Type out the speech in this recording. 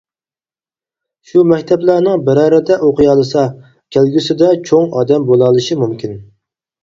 شۇ مەكتەپلەرنىڭ بىرەرىدە ئوقۇيالىسا، كەلگۈسىدە چوڭ ئادەم بولالىشى مۇمكىن.